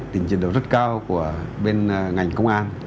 tình trình độ rất cao của bên ngành công an